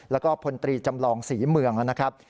แล้วก็พลตรีจำลองศรีเมืองนะครับ